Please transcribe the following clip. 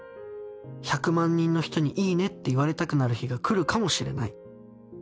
１００万人の人に『いいね』って言われたくなる日が来るかもしれない。